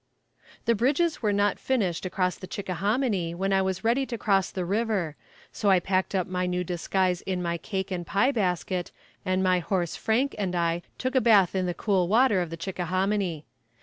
The bridges were not finished across the Chickahominy when I was ready to cross the river, so I packed up my new disguise in my cake and pie basket, and my horse, "Frank," and I took a bath in the cool water of the Chickahominy.